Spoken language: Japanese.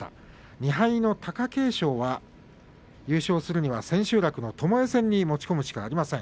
２敗の貴景勝が優勝するためには千秋楽のともえ戦に持ち込むしかありません。